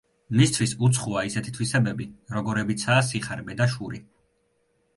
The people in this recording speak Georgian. მისთვის უცხოა ისეთი თვისებები, როგორებიცაა სიხარბე და შური.